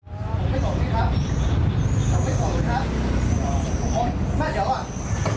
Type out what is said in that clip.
ผมไม่ตกนี้ครับผมไม่ตกนี้ครับทุกคนถ้าเดี๋ยวก่อน